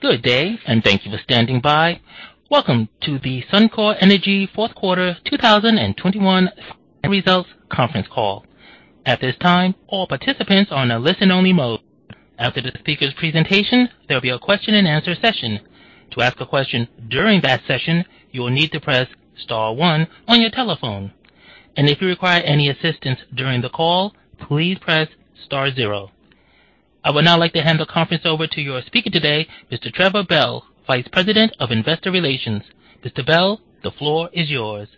Good day, and thank you for standing by. Welcome to the Suncor Energy Q4 2021 Results Conference Call. At this time, all participants are in a listen-only mode. After the speaker's presentation, there'll be a Q&A session. To ask a question during that session, you will need to press star one on your telephone. If you require any assistance during the call, please press star zero. I would now like to hand the conference over to your speaker today, Mr. Trevor Bell, Vice President of Investor Relations. Mr. Bell, the floor is yours.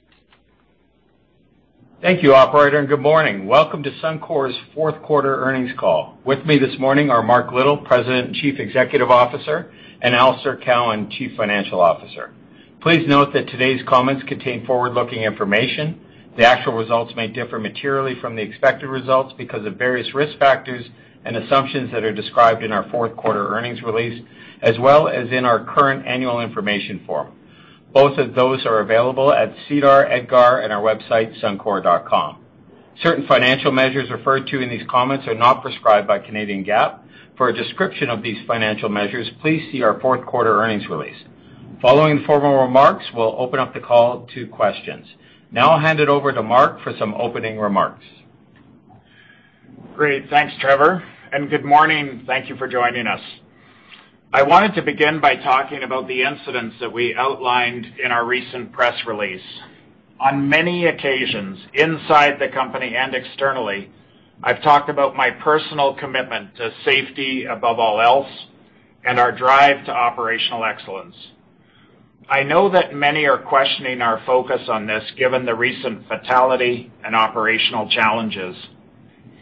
Thank you, operator, and good morning. Welcome to Suncor's Q4 earnings call. With me this morning are Mark Little, President and Chief Executive Officer, and Alister Cowan, Chief Financial Officer. Please note that today's comments contain forward-looking information. The actual results may differ materially from the expected results because of various risk factors and assumptions that are described in our fourth quarter earnings release as well as in our current annual information form. Both of those are available at SEDAR, EDGAR, and our website, suncor.com. Certain financial measures referred to in these comments are not prescribed by Canadian GAAP. For a description of these financial measures, please see our fourth quarter earnings release. Following formal remarks, we'll open up the call to questions. Now I'll hand it over to Mark for some opening remarks. Great. Thanks, Trevor, and good morning. Thank you for joining us. I wanted to begin by talking about the incidents that we outlined in our recent press release. On many occasions, inside the company and externally, I've talked about my personal commitment to safety above all else and our drive to operational excellence. I know that many are questioning our focus on this given the recent fatality and operational challenges.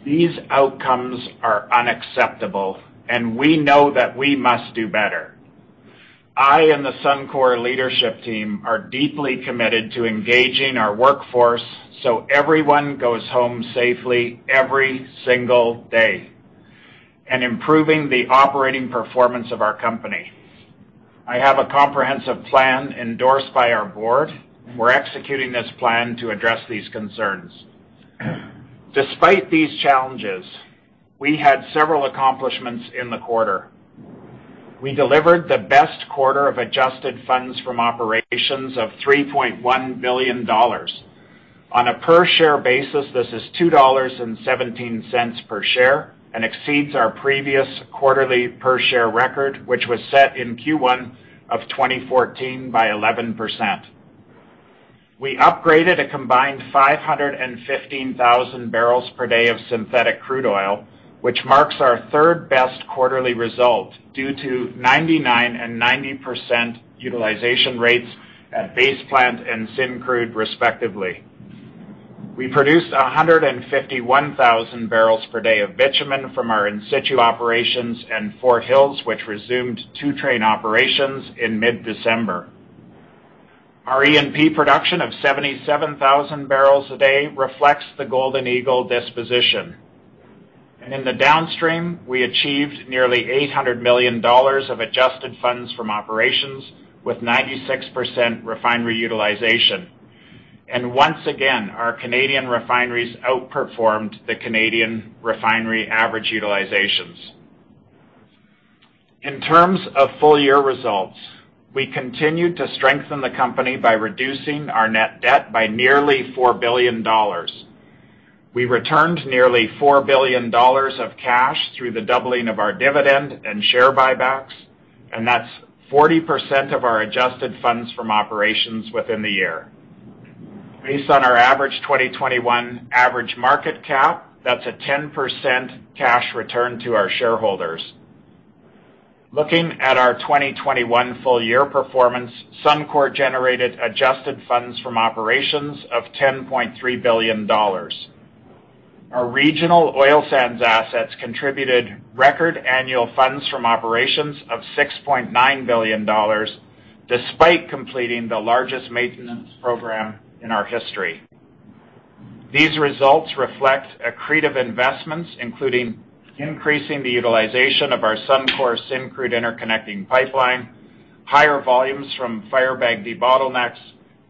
These outcomes are unacceptable, and we know that we must do better. I and the Suncor leadership team are deeply committed to engaging our workforce so everyone goes home safely every single day and improving the operating performance of our company. I have a comprehensive plan endorsed by our board. We're executing this plan to address these concerns. Despite these challenges, we had several accomplishments in the quarter. We delivered the best quarter of adjusted funds from operations of 3.1 billion dollars. On a per-share basis, this is 2.17 dollars per share and exceeds our previous quarterly per-share record, which was set in Q1 of 2014, by 11%. We upgraded a combined 515,000 barrels per day of synthetic crude oil, which marks our third-best quarterly result due to 99% and 90% utilization rates at Base Plant and Syncrude, respectively. We produced 151,000 barrels per day of bitumen from our in-situ operations in Fort Hills, which resumed two-train operations in mid-December. Our E&P production of 77,000 barrels a day reflects the Golden Eagle disposition. In the Downstream, we achieved nearly 800 million dollars of adjusted funds from operations with 96% refinery utilization. Once again, our Canadian refineries outperformed the Canadian refinery average utilizations. In terms of full year results, we continued to strengthen the company by reducing our net debt by nearly 4 billion dollars. We returned nearly 4 billion dollars of cash through the doubling of our dividend and share buybacks, and that's 40% of our adjusted funds from operations within the year. Based on our average 2021 average market cap, that's a 10% cash return to our shareholders. Looking at our 2021 full year performance, Suncor generated adjusted funds from operations of 10.3 billion dollars. Our regional oil sands assets contributed record annual funds from operations of 6.9 billion dollars, despite completing the largest maintenance program in our history. These results reflect accretive investments, including increasing the utilization of our Suncor Syncrude interconnecting pipeline, higher volumes from Firebag debottlenecks,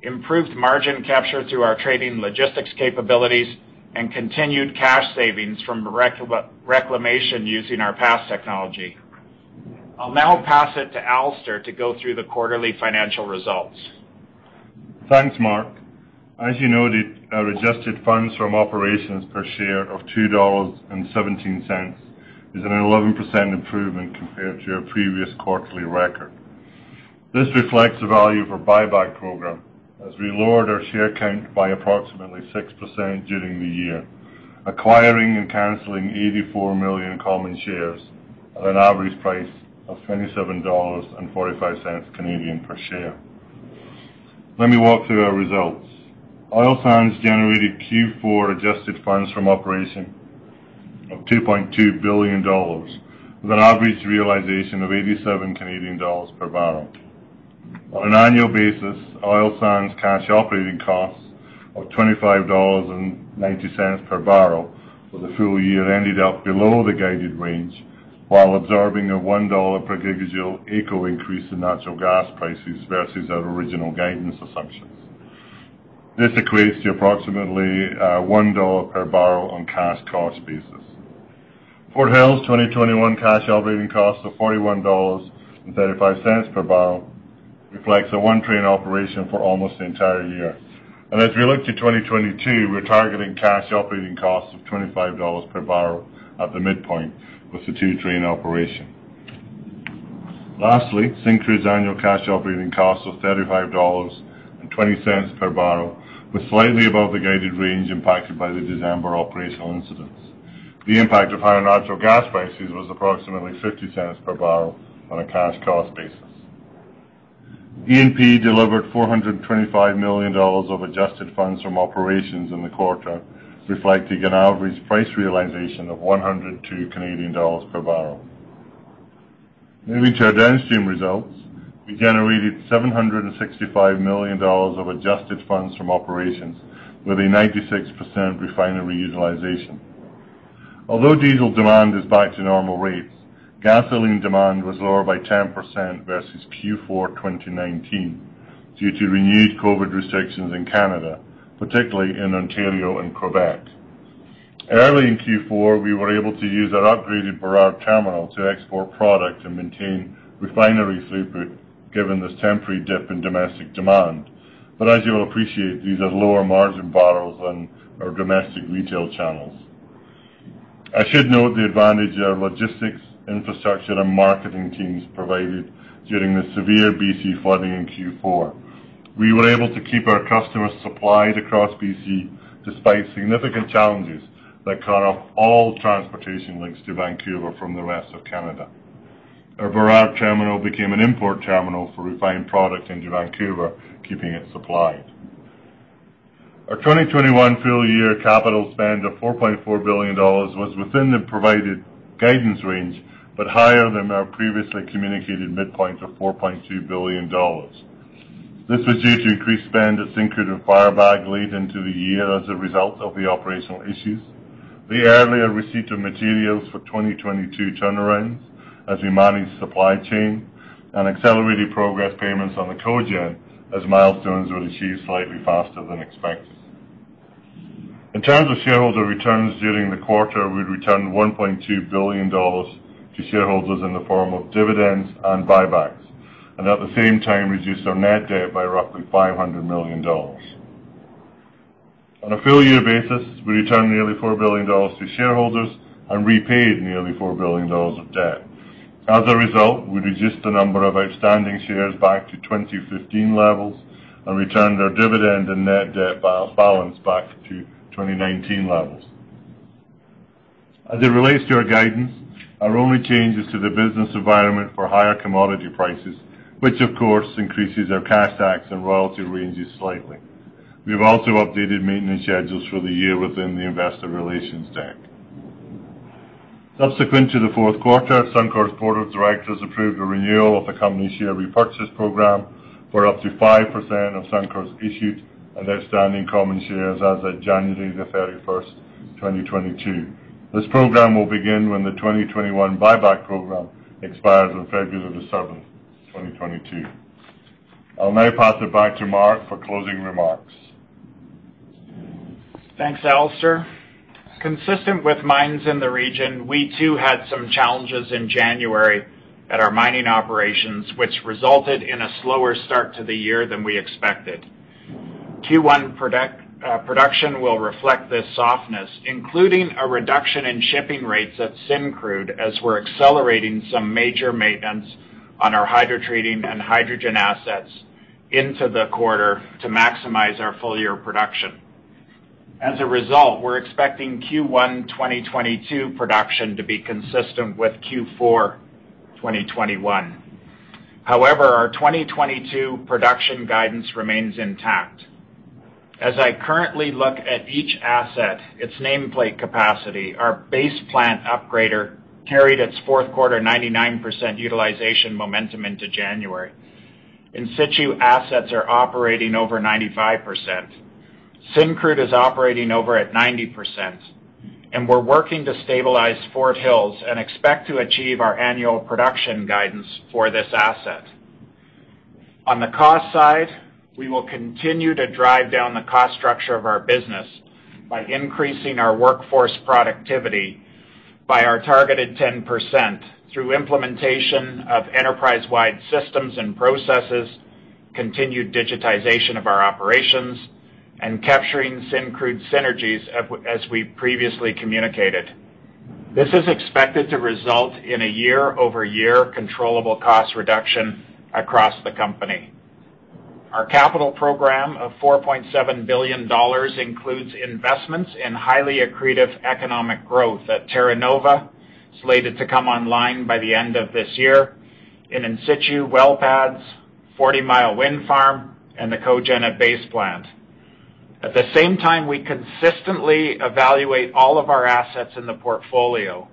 improved margin capture through our trading logistics capabilities, and continued cash savings from reclamation using our PASS technology. I'll now pass it to Alister to go through the quarterly financial results. Thanks, Mark. As you noted, our adjusted funds from operations per share of 2.17 dollars is an 11% improvement compared to our previous quarterly record. This reflects the value of our buyback program as we lowered our share count by approximately 6% during the year, acquiring and canceling 84 million common shares at an average price of 27.45 Canadian dollars Canadian per share. Let me walk through our results. Oil Sands generated Q4 adjusted funds from operations of 2.2 billion dollars with an average realization of 87 Canadian dollars Canadian per barrel. On an annual basis, oil sands cash operating costs of 25.90 dollars per barrel for the full year ended up below the guided range while absorbing a 1 dollar per gigajoule AECO increase in natural gas prices versus our original guidance assumptions. This equates to approximately one dollar per barrel on cash cost basis. Fort Hills 2021 cash operating costs of 41.35 dollars per barrel reflects a one-train operation for almost the entire year. As we look to 2022, we're targeting cash operating costs of 25 dollars per barrel at the midpoint with the two-train operation. Lastly, Syncrude's annual cash operating costs of 35.20 dollars per barrel was slightly above the guided range impacted by the December operational incidents. The impact of higher natural gas prices was approximately 50 cents per barrel on a cash cost basis. E&P delivered 425 million dollars of adjusted funds from operations in the quarter, reflecting an average price realization of 102 Canadian dollars per barrel. Moving to our downstream results, we generated 765 million dollars of adjusted funds from operations with a 96% refinery utilization. Although diesel demand is back to normal rates, gasoline demand was lower by 10% versus Q4 2019 due to renewed COVID restrictions in Canada, particularly in Ontario and Quebec. Early in Q4, we were able to use our upgraded Burrard Terminal to export product and maintain refinery throughput, given this temporary dip in domestic demand. As you'll appreciate, these are lower margin barrels than our domestic retail channels. I should note the advantage our logistics, infrastructure, and marketing teams provided during the severe B.C. flooding in Q4. We were able to keep our customers supplied across BC despite significant challenges that cut off all transportation links to Vancouver from the rest of Canada. Our Burrard Terminal became an import terminal for refined product into Vancouver, keeping it supplied. Our 2021 full year capital spend of 4.4 billion dollars was within the provided guidance range, but higher than our previously communicated midpoint of 4.2 billion dollars. This was due to increased spend at Syncrude and Firebag late into the year as a result of the operational issues, the earlier receipt of materials for 2022 turnarounds as we manage supply chain, and accelerated progress payments on the cogen as milestones were achieved slightly faster than expected. In terms of shareholder returns during the quarter, we returned 1.2 billion dollars to shareholders in the form of dividends and buybacks. At the same time, we reduced our net debt by roughly 500 million dollars. On a full year basis, we returned nearly 4 billion dollars to shareholders and repaid nearly 4 billion dollars of debt. As a result, we reduced the number of outstanding shares back to 2015 levels and returned our dividend and net debt balance back to 2019 levels. As it relates to our guidance, our only change is to the business environment for higher commodity prices, which of course, increases our cash tax and royalty ranges slightly. We have also updated maintenance schedules for the year within the investor relations deck. Subsequent to the Q4, Suncor's board of directors approved a renewal of the company's share repurchase program for up to 5% of Suncor's issued and outstanding common shares as of January 31, 2022. This program will begin when the 2021 buyback program expires on February 7, 2022. I'll now pass it back to Mark for closing remarks. Thanks, Alister. Consistent with mines in the region, we too had some challenges in January at our mining operations, which resulted in a slower start to the year than we expected. Q1 production will reflect this softness, including a reduction in shipping rates at Syncrude as we're accelerating some major maintenance on our hydrotreating and hydrogen assets into the quarter to maximize our full year production. As a result, we're expecting Q1 2022 production to be consistent with Q4 2021. However, our 2022 production guidance remains intact. As I currently look at each asset, its nameplate capacity, our Base Plant upgrader carried its Q4 99% utilization momentum into January. In-situ assets are operating over 95%. Syncrude is operating over 90%, and we're working to stabilize Fort Hills and expect to achieve our annual production guidance for this asset. On the cost side, we will continue to drive down the cost structure of our business by increasing our workforce productivity by our targeted 10% through implementation of enterprise-wide systems and processes, continued digitization of our operations, and capturing Syncrude synergies, as we previously communicated. This is expected to result in a year-over-year controllable cost reduction across the company. Our capital program of 4.7 billion dollars includes investments in highly accretive economic growth at Terra Nova, slated to come online by the end of this year, in-situ well pads, Forty Mile wind farm, and the cogen at base plant. At the same time, we consistently evaluate all of our assets in the portfolio.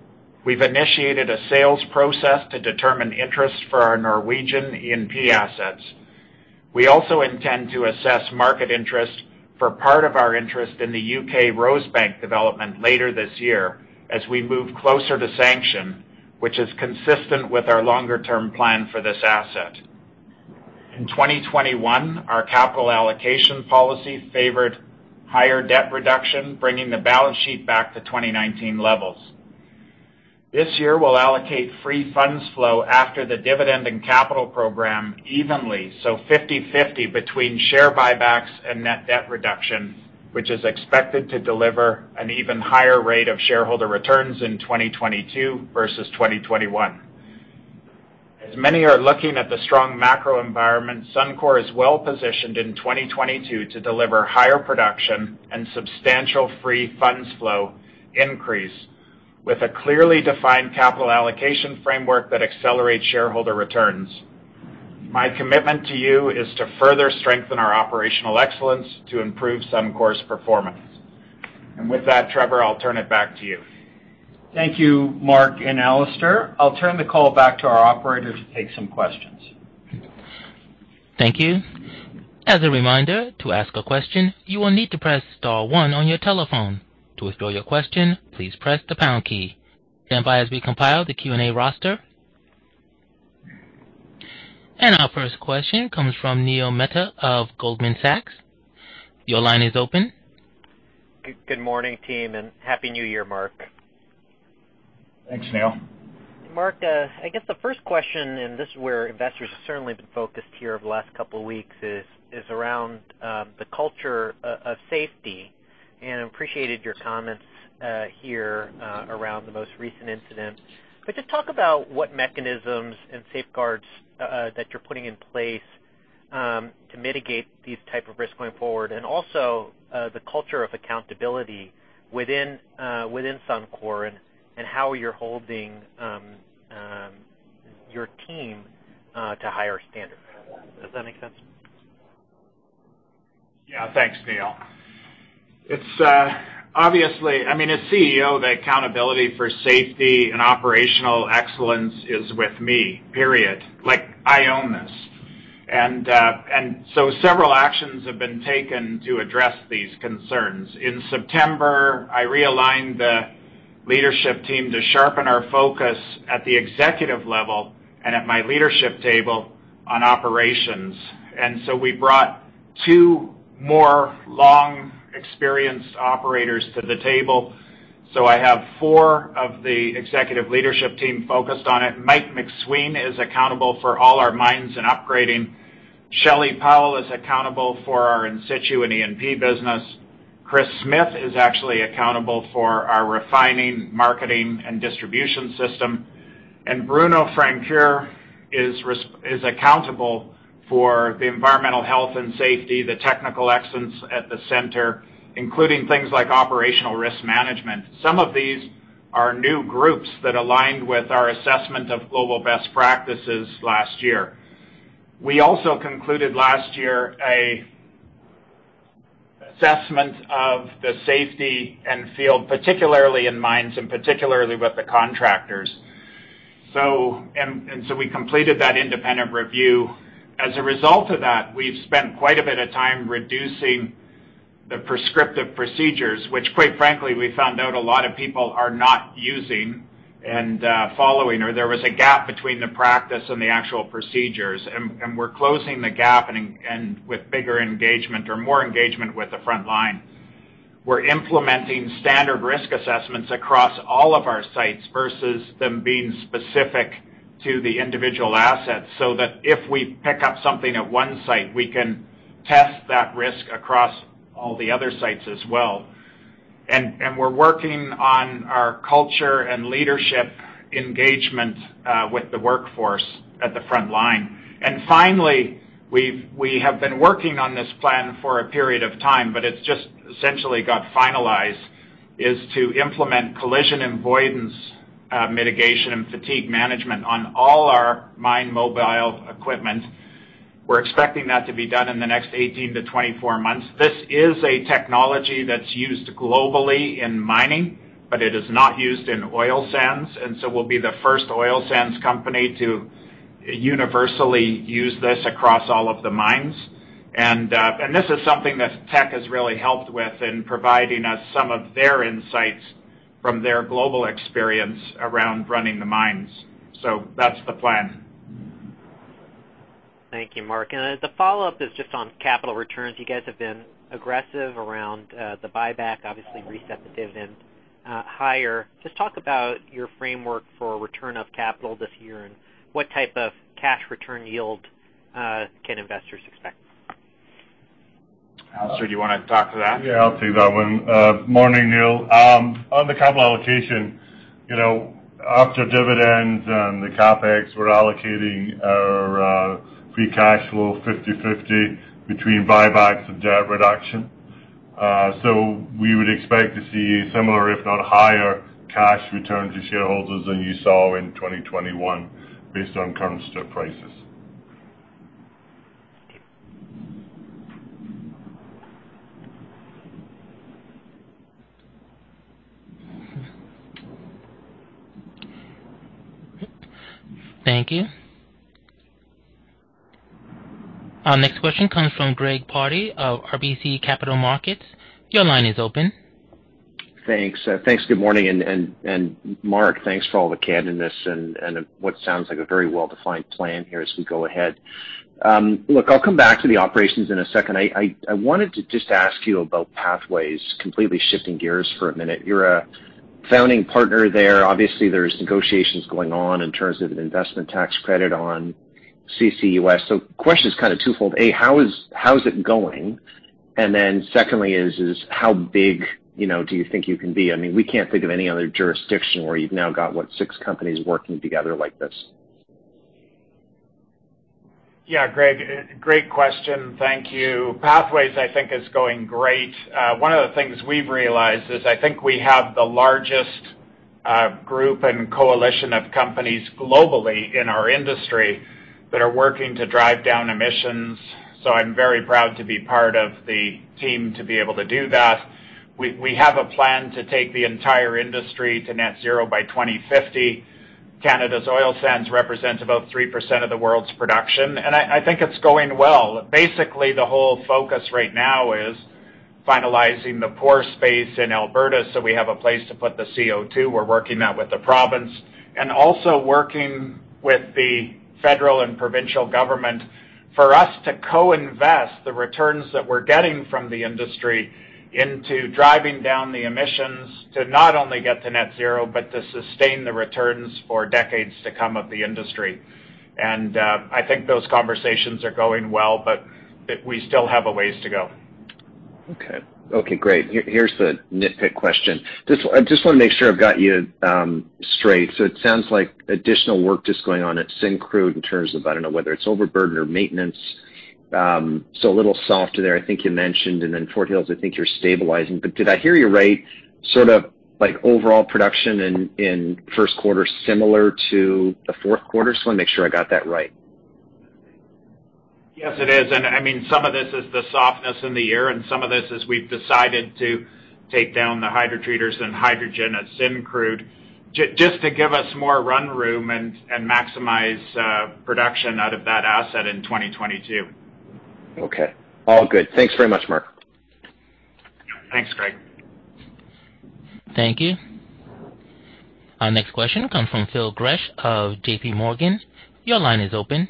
We've initiated a sales process to determine interest for our Norwegian E&P assets. We also intend to assess market interest for part of our interest in the U.K. Rosebank development later this year as we move closer to sanction. Which is consistent with our longer-term plan for this asset. In 2021, our capital allocation policy favored higher debt reduction, bringing the balance sheet back to 2019 levels. This year, we'll allocate free funds flow after the dividend and capital program evenly, so 50/50 between share buybacks and net debt reduction, which is expected to deliver an even higher rate of shareholder returns in 2022 versus 2021. As many are looking at the strong macro environment, Suncor is well-positioned in 2022 to deliver higher production and substantial free funds flow increase with a clearly defined capital allocation framework that accelerates shareholder returns. My commitment to you is to further strengthen our operational excellence to improve Suncor's performance. With that, Trevor, I'll turn it back to you. Thank you, Mark and Alister. I'll turn the call back to our operator to take some questions. Thank you. As a reminder, to ask a question, you will need to press star one on your telephone. To withdraw your question, please press the pound key. Stand by as we compile the Q&A roster. Our first question comes from Neel Mehta of Goldman Sachs. Your line is open. Good morning, team, and happy New Year, Mark. Thanks, Neel. Mark, I guess the first question, and this is where investors have certainly been focused here over the last couple of weeks, is around the culture of safety. I appreciated your comments here around the most recent incident. Just talk about what mechanisms and safeguards that you're putting in place to mitigate these type of risks going forward. Also, the culture of accountability within Suncor and how you're holding your team to higher standards. Does that make sense? Yeah. Thanks, Neel. It's obviously, I mean, as CEO, the accountability for safety and operational excellence is with me, period. Like, I own this. Several actions have been taken to address these concerns. In September, I realigned the leadership team to sharpen our focus at the executive level and at my leadership table on operations. We brought two more long experienced operators to the table. I have four of the executive leadership team focused on it. Mike MacSween is accountable for all our mines and upgrading. Shelley Powell is accountable for our in-situ and E&P business. Kris Smith is actually accountable for our refining, marketing, and distribution system. Bruno Francoeur is accountable for the environmental health and safety, the technical excellence at the center, including things like operational risk management. Some of these are new groups that aligned with our assessment of global best practices last year. We also concluded last year an assessment of the safety and field, particularly in mines and particularly with the contractors. We completed that independent review. As a result of that, we've spent quite a bit of time reducing the prescriptive procedures, which quite frankly, we found out a lot of people are not using and following, or there was a gap between the practice and the actual procedures. We're closing the gap and with bigger engagement or more engagement with the front line. We're implementing standard risk assessments across all of our sites versus them being specific to the individual assets, so that if we pick up something at one site, we can test that risk across all the other sites as well. We're working on our culture and leadership engagement with the workforce at the front line. Finally, we have been working on this plan for a period of time, but it's just essentially got finalized, is to implement collision avoidance mitigation and fatigue management on all our mine mobile equipment. We're expecting that to be done in the next 18-24 months. This is a technology that's used globally in mining, but it is not used in oil sands. This is something that Teck has really helped with in providing us some of their insights from their global experience around running the mines. That's the plan. Thank you, Mark. The follow-up is just on capital returns. You guys have been aggressive around the buyback, obviously reset the dividend higher. Just talk about your framework for return of capital this year and what type of cash return yield can investors expect. Alister, do you wanna talk to that? Yeah, I'll take that one. Morning, Neel. On the capital allocation, you know, after dividends and the CapEx, we're allocating our free cash flow 50/50 between buybacks and debt reduction. We would expect to see similar, if not higher, cash return to shareholders than you saw in 2021 based on current strip prices. Thank you. Our next question comes from Greg Pardy of RBC Capital Markets. Your line is open. Thanks. Thanks. Good morning. Mark, thanks for all the candidness and what sounds like a very well-defined plan here as we go ahead. Look, I'll come back to the operations in a second. I wanted to just ask you about Pathways, completely shifting gears for a minute. You're a founding partner there. Obviously, there's negotiations going on in terms of an investment tax credit on CCUS. So question is kind of twofold. A, how is it going? And then secondly is how big, you know, do you think you can be? I mean, we can't think of any other jurisdiction where you've now got, what, six companies working together like this. Yeah, Greg, great question. Thank you. Pathways, I think, is going great. One of the things we've realized is I think we have the largest group and coalition of companies globally in our industry that are working to drive down emissions. So I'm very proud to be part of the team to be able to do that. We have a plan to take the entire industry to net zero by 2050. Canada's oil sands represent about 3% of the world's production, and I think it's going well. Basically, the whole focus right now is finalizing the pore space in Alberta, so we have a place to put the CO2. We're working that with the province and also working with the federal and provincial government for us to co-invest the returns that we're getting from the industry into driving down the emissions to not only get to net zero, but to sustain the returns for decades to come of the industry. I think those conversations are going well, but we still have a ways to go. Okay. Okay, great. Here's the nitpick question. I just wanna make sure I've got you straight. It sounds like additional work just going on at Syncrude in terms of, I don't know whether it's overburden or maintenance. A little softer there, I think you mentioned. Then Fort Hills, I think you're stabilizing. Did I hear you right, sort of like overall production in first quarter similar to the fourth quarter? Let me make sure I got that right. Yes, it is. I mean, some of this is the softness in the year, and some of this is we've decided to take down the hydrotreaters and hydrogen at Syncrude just to give us more run room and maximize production out of that asset in 2022. Okay. All good. Thanks very much, Mark. Thanks, Greg. Thank you. Our next question comes from Phil Gresh of J.P. Morgan. Your line is open.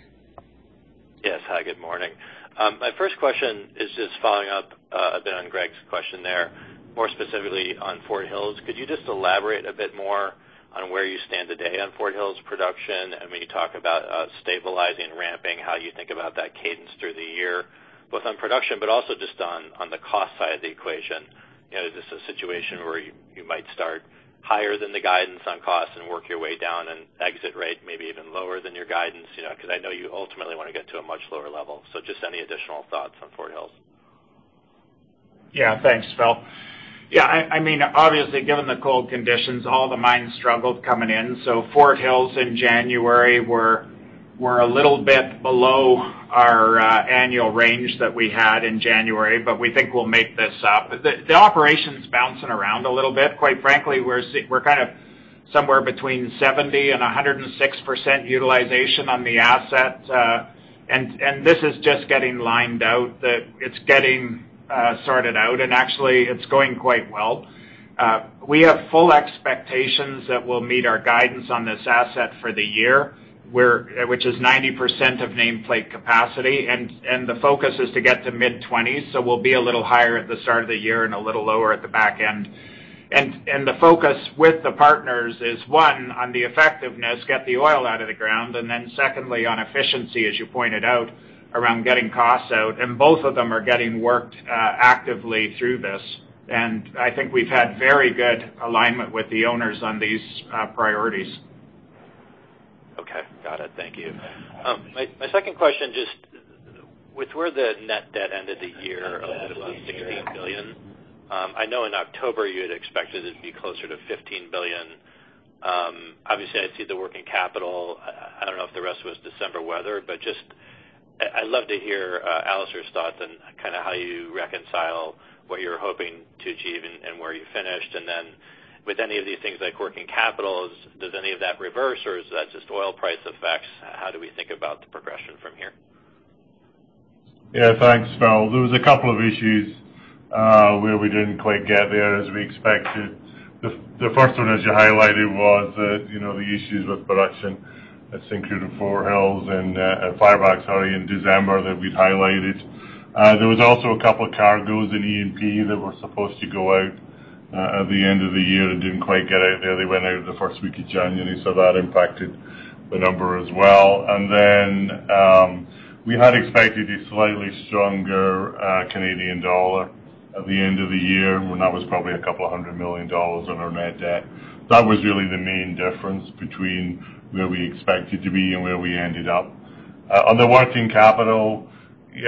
Yes. Hi, good morning. My first question is just following up a bit on Greg's question there, more specifically on Fort Hills. Could you just elaborate a bit more on where you stand today on Fort Hills production? I mean, you talk about stabilizing, ramping, how you think about that cadence through the year, both on production, but also just on the cost side of the equation. You know, is this a situation where you might start higher than the guidance on cost and work your way down and exit rate, maybe even lower than your guidance? You know, because I know you ultimately wanna get to a much lower level. Just any additional thoughts on Fort Hills. Yeah. Thanks, Phil. Yeah, I mean, obviously, given the cold conditions, all the mines struggled coming in. Fort Hills in January were a little bit below our annual range that we had in January, but we think we'll make this up. The operation's bouncing around a little bit. Quite frankly, we're kind of somewhere between 70%-106% utilization on the asset. This is just getting lined out, that it's getting sorted out, and actually it's going quite well. We have full expectations that we'll meet our guidance on this asset for the year, which is 90% of nameplate capacity, and the focus is to get to mid-20s. We'll be a little higher at the start of the year and a little lower at the back end. The focus with the partners is, one, on the effectiveness, get the oil out of the ground. Secondly, on efficiency, as you pointed out, around getting costs out, and both of them are getting worked actively through this. I think we've had very good alignment with the owners on these priorities. Okay. Got it. Thank you. My second question, just with where the net debt ended the year, a little under 16 billion, I know in October you had expected it to be closer to 15 billion. Obviously I see the working capital. I don't know if the rest was December weather, but just I'd love to hear Alister's thoughts on kinda how you reconcile what you're hoping to achieve and where you finished. With any of these things like working capital, does any of that reverse or is that just oil price effects? How do we think about the progression from here? Yeah. Thanks, Phil. There was a couple of issues where we didn't quite get there as we expected. The first one, as you highlighted, was that, you know, the issues with production at Syncrude and Fort Hills and Firebag, sorry, in December that we'd highlighted. There was also a couple of cargoes in E&P that were supposed to go out at the end of the year and didn't quite get out there. They went out the first week of January, so that impacted the number as well. We had expected a slightly stronger Canadian dollar at the end of the year, and that was probably a couple of hundred million CAD on our net debt. That was really the main difference between where we expected to be and where we ended up. On the working capital,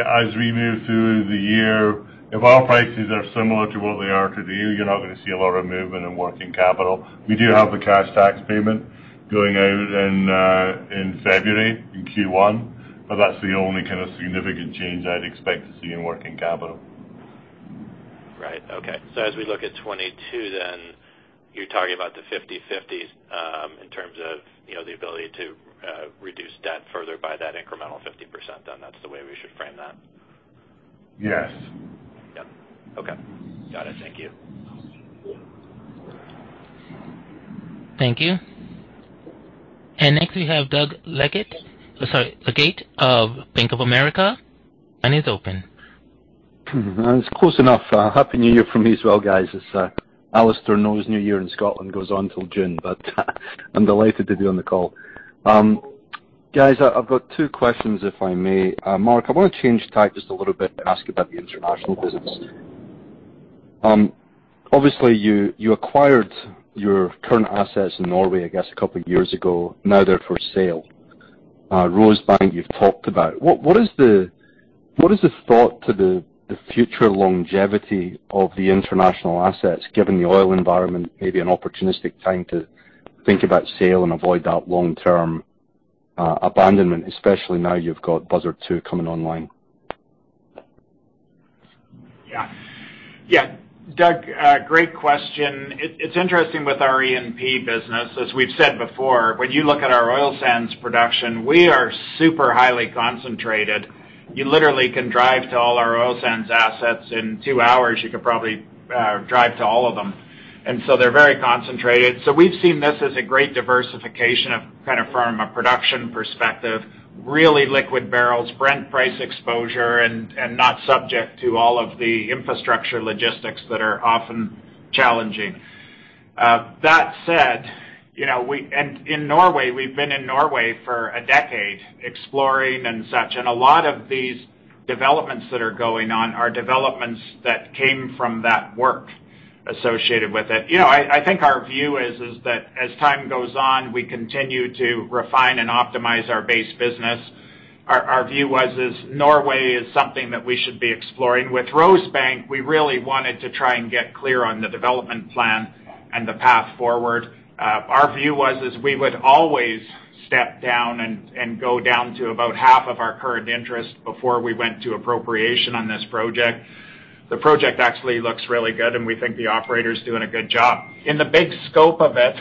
as we move through the year, if oil prices are similar to what they are today, you're not gonna see a lot of movement in working capital. We do have the cash tax payment going out in February in Q1, but that's the only kind of significant change I'd expect to see in working capital. Right. Okay. As we look at 2022 then, you're talking about the 50/50, in terms of, you know, the ability to reduce debt further by that incremental 50%, then that's the way we should frame that. Yes. Yep. Okay. Got it. Thank you. Thank you. Next, we have Doug Leggate. Sorry, Leggate of Bank of America. Line is open. It's close enough. Happy New Year from me as well, guys. As Alister knows, New Year in Scotland goes on till June, but I'm delighted to be on the call. Guys, I've got two questions, if I may. Mark, I wanna change tack just a little bit and ask you about the international business. Obviously, you acquired your current assets in Norway, I guess a couple of years ago. Now they're for sale. Rosebank, you've talked about. What is the thought to the future longevity of the international assets given the oil environment, maybe an opportunistic time to think about sale and avoid that long-term abandonment, especially now you've got Buzzard 2 coming online? Doug, great question. It's interesting with our E&P business. As we've said before, when you look at our oil sands production, we are super highly concentrated. You literally can drive to all our oil sands assets. In two hours, you could probably drive to all of them. They're very concentrated. We've seen this as a great diversification of kind of from a production perspective, really liquid barrels, Brent price exposure, and not subject to all of the infrastructure logistics that are often challenging. That said, you know, in Norway, we've been in Norway for a decade, exploring and such. A lot of these developments that are going on are developments that came from that work associated with it. You know, I think our view is that as time goes on, we continue to refine and optimize our base business. Our view was Norway is something that we should be exploring. With Rosebank, we really wanted to try and get clear on the development plan and the path forward. Our view was we would always step down and go down to about half of our current interest before we went to sanction on this project. The project actually looks really good, and we think the operator's doing a good job. In the big scope of it,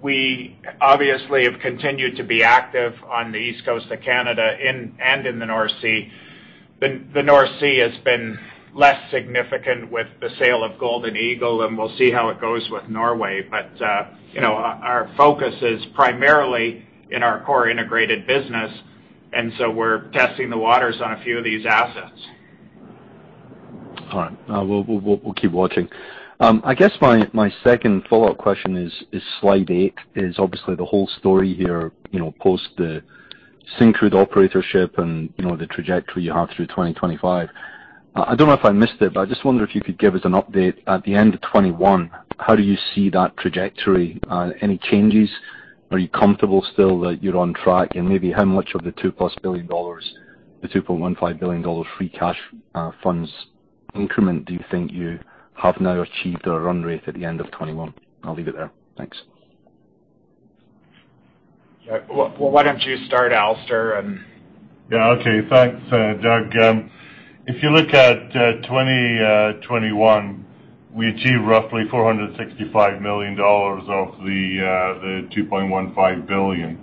we obviously have continued to be active on the East Coast of Canada and in the North Sea. The North Sea has been less significant with the sale of Golden Eagle, and we'll see how it goes with Norway. you know, our focus is primarily in our core integrated business, and so we're testing the waters on a few of these assets. All right. We'll keep watching. I guess my second follow-up question is slide eight is obviously the whole story here, you know, post the Syncrude operatorship and, you know, the trajectory you have through 2025. I don't know if I missed it, but I just wonder if you could give us an update at the end of 2021, how do you see that trajectory? Any changes? Are you comfortable still that you're on track? And maybe how much of the 2+ billion dollars, the 2.15 billion dollar free cash funds increment do you think you have now achieved or run rate at the end of 2021? I'll leave it there. Thanks. Well, why don't you start, Alister, and. Yeah, okay. Thanks, Doug. If you look at 2021, we achieved roughly 465 million dollars of the 2.15 billion.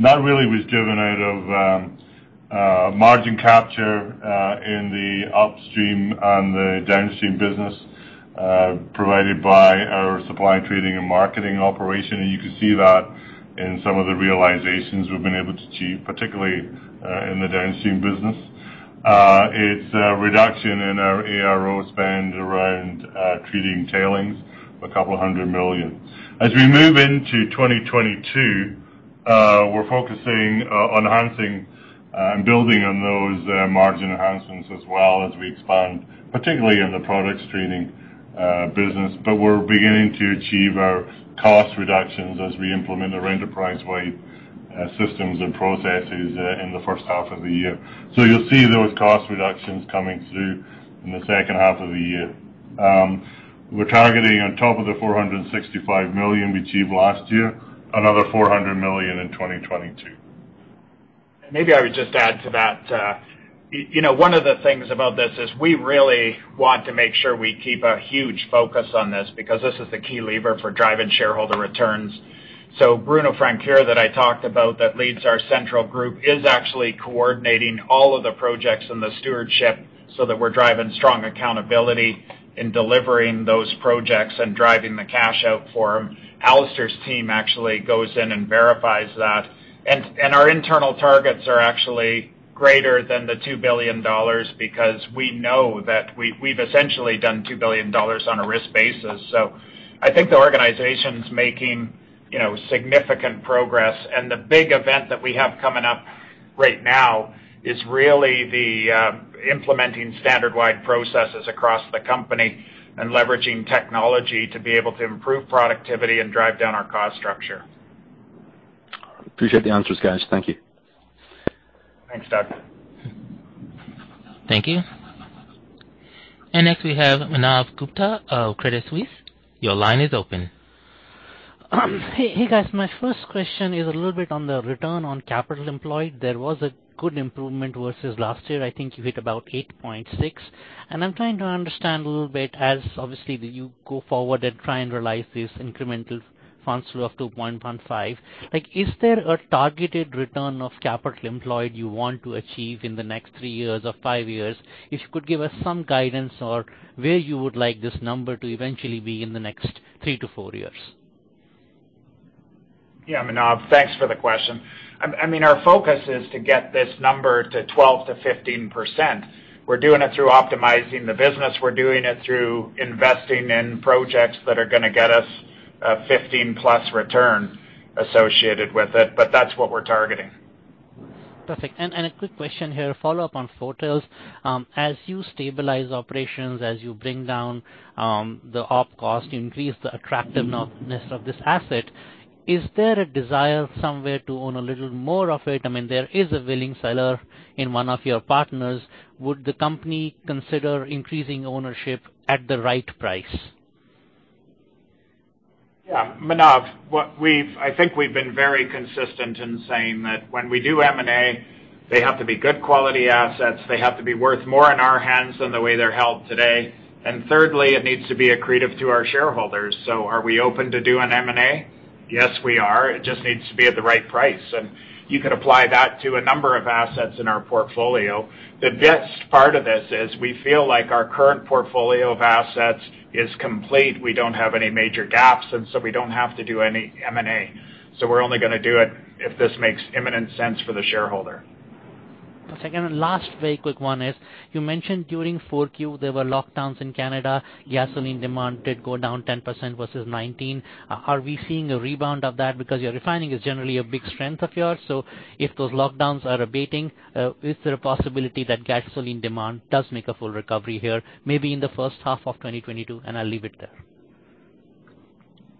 That really was driven out of margin capture in the Upstream and Downstream business provided by our supply and trading and marketing operation. You can see that in some of the realizations we've been able to achieve, particularly in the Downstream business. It's a reduction in our ARO spend around treating tailings, 200 million. As we move into 2022, we're focusing on enhancing and building on those margin enhancements as well as we expand, particularly in the products trading business. We're beginning to achieve our cost reductions as we implement our enterprise-wide systems and processes in the first half of the year. You'll see those cost reductions coming through in the second half of the year. We're targeting on top of the 465 million we achieved last year, another 400 million in 2022. Maybe I would just add to that. You know, one of the things about this is we really want to make sure we keep a huge focus on this because this is the key lever for driving shareholder returns. Bruno Francoeur that I talked about leads our central group, is actually coordinating all of the projects and the stewardship so that we're driving strong accountability in delivering those projects and driving the cash out for them. Alister's team actually goes in and verifies that. Our internal targets are actually greater than 2 billion dollars because we know that we've essentially done 2 billion dollars on a risk basis. I think the organization's making, you know, significant progress. The big event that we have coming up right now is really the implementing standard wide processes across the company and leveraging technology to be able to improve productivity and drive down our cost structure. Appreciate the answers, guys. Thank you. Thanks, Doug. Thank you. Next we have Manav Gupta of Credit Suisse. Your line is open. Hey, guys, my first question is a little bit on the return on capital employed. There was a good improvement versus last year. I think you hit about 8.6. I'm trying to understand a little bit as obviously you go forward and try and realize this incremental fund flow of 2.15. Like, is there a targeted return on capital employed you want to achieve in the next three years or five years? If you could give us some guidance on where you would like this number to eventually be in the next three to four years. Yeah. Manav, thanks for the question. I mean, our focus is to get this number to 12%-15%. We're doing it through optimizing the business. We're doing it through investing in projects that are gonna get us a 15%+ return associated with it, but that's what we're targeting. Perfect. A quick question here, a follow-up on Fort Hills. As you stabilize operations, as you bring down the op cost, increase the attractiveness of this asset, is there a desire somewhere to own a little more of it? I mean, there is a willing seller in one of your partners. Would the company consider increasing ownership at the right price? Yeah. Manav, I think we've been very consistent in saying that when we do M&A, they have to be good quality assets. They have to be worth more in our hands than the way they're held today. Thirdly, it needs to be accretive to our shareholders. Are we open to do an M&A? Yes, we are. It just needs to be at the right price. You could apply that to a number of assets in our portfolio. The best part of this is we feel like our current portfolio of assets is complete. We don't have any major gaps, and so we don't have to do any M&A. We're only gonna do it if this makes immense sense for the shareholder. Perfect. Last very quick one is, you mentioned during Q4, there were lockdowns in Canada. Gasoline demand did go down 10% versus 2019. Are we seeing a rebound of that? Because your refining is generally a big strength of yours. If those lockdowns are abating, is there a possibility that gasoline demand does make a full recovery here, maybe in the first half of 2022? I'll leave it there.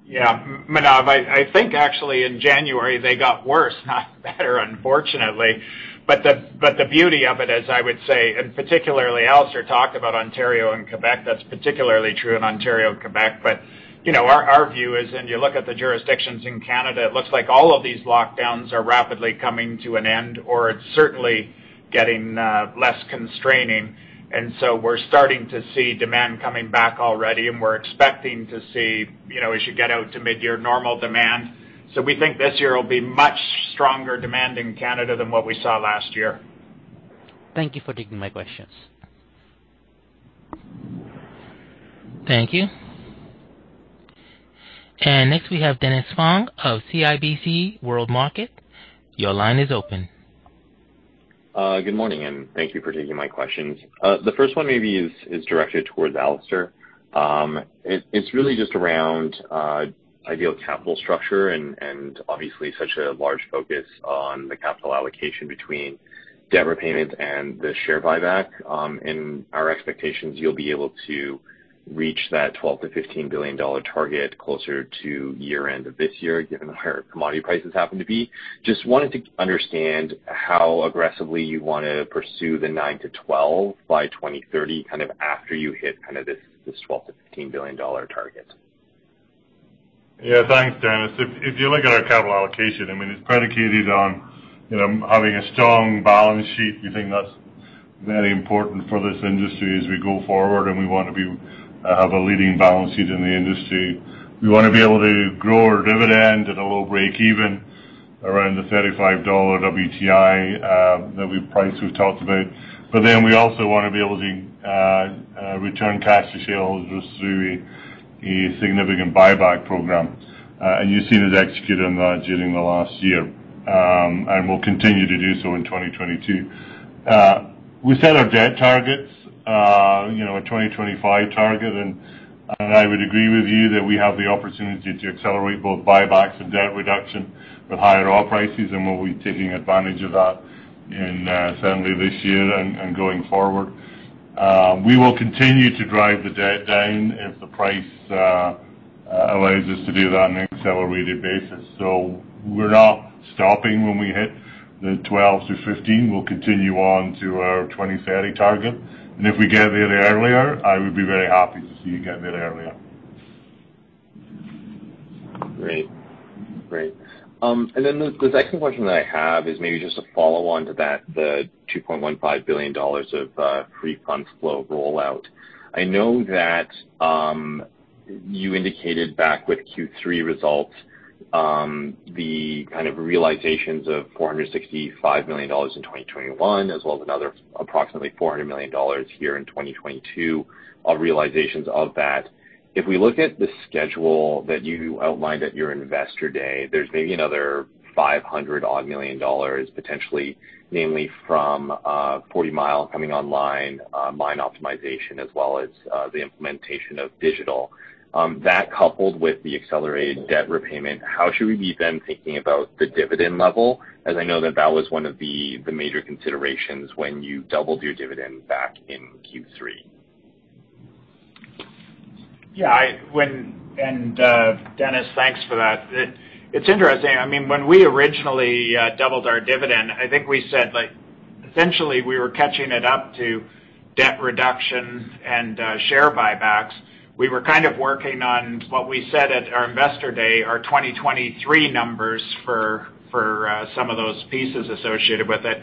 Yeah. Manav, I think actually in January, they got worse, not better, unfortunately. The beauty of it, as I would say, and particularly Alister talked about Ontario and Quebec, that's particularly true in Ontario and Quebec. You know, our view is when you look at the jurisdictions in Canada, it looks like all of these lockdowns are rapidly coming to an end, or it's certainly getting less constraining. We're starting to see demand coming back already, and we're expecting to see, you know, as you get out to midyear, normal demand. We think this year will be much stronger demand in Canada than what we saw last year. Thank you for taking my questions. Thank you. Next, we have Dennis Fong of CIBC World Markets. Your line is open. Good morning, and thank you for taking my questions. The first one maybe is directed towards Alister. It's really just around ideal capital structure and obviously such a large focus on the capital allocation between debt repayments and the share buyback. In our expectations, you'll be able to reach that 12 billion-15 billion dollar target closer to year-end of this year, given the higher commodity prices happen to be. Just wanted to understand how aggressively you wanna pursue the 9 billion-12 billion by 2030 kind of after you hit kind of this 12 billion-15 billion dollar target. Yeah. Thanks, Dennis. If you look at our capital allocation, I mean, it's predicated on, you know, having a strong balance sheet. We think that's very important for this industry as we go forward, and we want to have a leading balance sheet in the industry. We want to be able to grow our dividend at a low breakeven around the $35 WTI that price we've talked about. We also want to be able to return cash to shareholders through a significant buyback program. You've seen us execute on that during the last year, and we'll continue to do so in 2022. We set our debt targets, you know, a 2025 target, and I would agree with you that we have the opportunity to accelerate both buybacks and debt reduction with higher oil prices, and we'll be taking advantage of that in, certainly this year and going forward. We will continue to drive the debt down if the price allows us to do that on an accelerated basis. We're not stopping when we hit the 12-15. We'll continue on to our 2030 target. If we get there earlier, I would be very happy to see you get there earlier. Great. The second question that I have is maybe just a follow-on to that, the CAD 2.15 billion of free fund flow rollout. I know that you indicated back with Q3 results, the kind of realizations of 465 million dollars in 2021, as well as another approximately 400 million dollars here in 2022 of realizations of that. If we look at the schedule that you outlined at your Investor Day, there's maybe another 500 odd million dollars potentially, namely from Forty Mile coming online, mine optimization, as well as the implementation of digital. That coupled with the accelerated debt repayment, how should we be then thinking about the dividend level? As I know that that was one of the major considerations when you doubled your dividend back in Q3. Yeah, Dennis, thanks for that. It's interesting. I mean, when we originally doubled our dividend, I think we said, essentially, we were catching it up to debt reduction and share buybacks. We were kind of working on what we said at our Investor Day, our 2023 numbers for some of those pieces associated with it.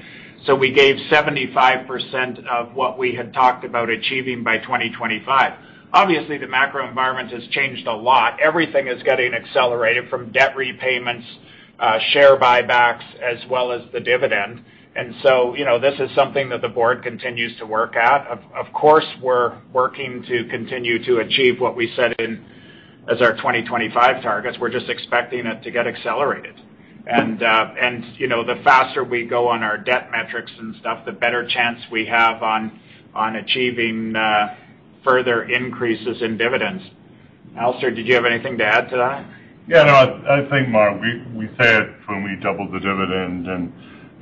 We gave 75% of what we had talked about achieving by 2025. Obviously, the macro environment has changed a lot. Everything is getting accelerated from debt repayments, share buybacks, as well as the dividend. You know, this is something that the board continues to work at. Of course, we're working to continue to achieve what we said, as our 2025 targets. We're just expecting it to get accelerated. you know, the faster we go on our debt metrics and stuff, the better chance we have on achieving further increases in dividends. Alister, did you have anything to add to that? Yeah, no, I think, Mark, we said when we doubled the dividend in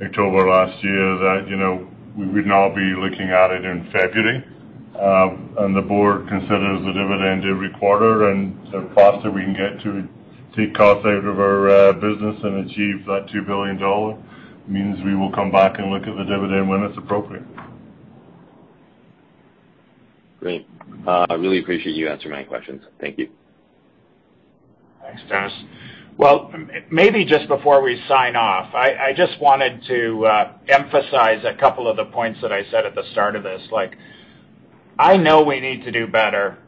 October last year that, you know, we would now be looking at it in February. The board considers the dividend every quarter. The faster we can get to take costs out of our business and achieve that 2 billion dollar means we will come back and look at the dividend when it's appropriate. Great. I really appreciate you answering my questions. Thank you. Thanks, Dennis. Well, maybe just before we sign off, I just wanted to emphasize a couple of the points that I said at the start of this, like, I know we need to do better.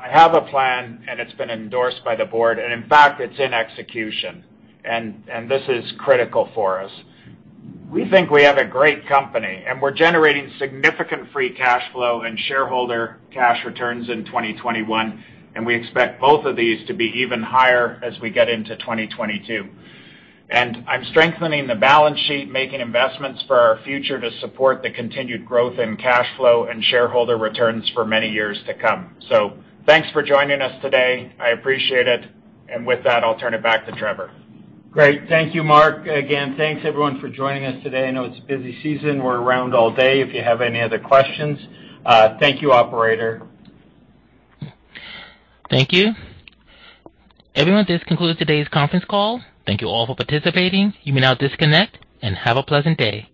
I have a plan, and it's been endorsed by the board, and in fact, it's in execution. This is critical for us. We think we have a great company, and we're generating significant free cash flow and shareholder cash returns in 2021, and we expect both of these to be even higher as we get into 2022. I'm strengthening the balance sheet, making investments for our future to support the continued growth in cash flow and shareholder returns for many years to come. Thanks for joining us today. I appreciate it. With that, I'll turn it back to Trevor. Great. Thank you, Mark. Again, thanks everyone for joining us today. I know it's a busy season. We're around all day if you have any other questions. Thank you, operator. Thank you. Everyone, this concludes today's conference call. Thank you all for participating. You may now disconnect and have a pleasant day.